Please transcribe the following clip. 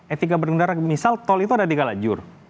etika berkendara misal tol itu ada tiga lajur